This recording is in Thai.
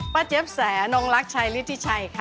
ปาเจ๊บแตร์นงรักชัยริทิชัยค่ะ